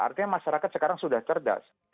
artinya masyarakat sekarang sudah cerdas